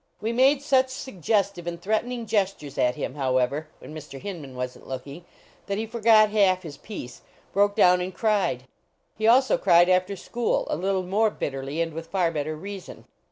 We made such suggestive and threatening gestures at him, however, when Mr. Hinman wasn t looking, that he forgot half his "piece," broke down and cried. He also cried after school, a little more bitterly, and with far better reason.